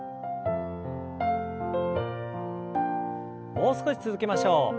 もう少し続けましょう。